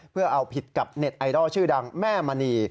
เพื่อเอาผิดกับเน็ตไอดอลชื่อดังแม่มณี